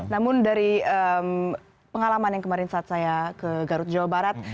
namun dari pengalaman yang kemarin saat saya ke garut jawa barat